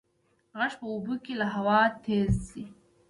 غږ په اوبو کې له هوا تېز ځي.